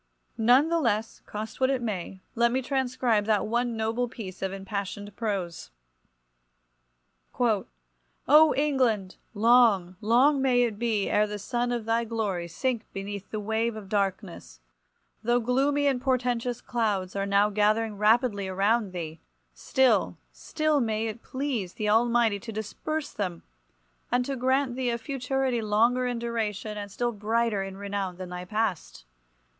None the less, cost what it may, let me transcribe that one noble piece of impassioned prose— "O England! long, long may it be ere the sun of thy glory sink beneath the wave of darkness! Though gloomy and portentous clouds are now gathering rapidly around thee, still, still may it please the Almighty to disperse them, and to grant thee a futurity longer in duration and still brighter in renown than thy past!